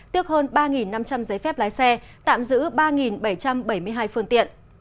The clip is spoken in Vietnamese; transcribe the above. tước hơn ba năm trăm linh giấy phép lái xe tạm giữ ba bảy trăm bảy mươi hai phương tiện